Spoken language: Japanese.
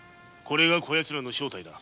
これがヤツらの正体だ。